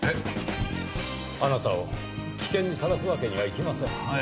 あなたを危険にさらすわけにはいきません。